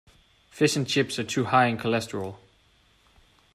Fish and chips are too high in cholesterol.